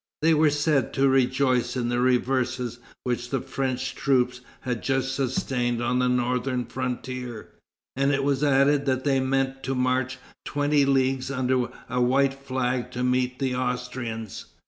They were said to rejoice in the reverses which the French troops had just sustained on the northern frontier, and it was added that they meant to march twenty leagues under a white flag to meet the Austrians.